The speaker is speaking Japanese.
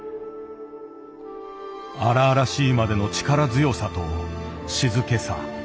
荒々しいまでの力強さと静けさ。